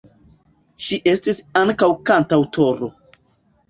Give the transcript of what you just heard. Ŝi estis ankaŭ kantaŭtoro.